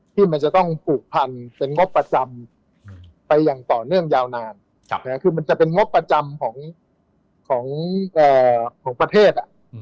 ที่มันจะต้องผูกพันเป็นงบประจำไปอย่างต่อเนื่องยาวนานคือมันจะเป็นงบประจำของประเทศ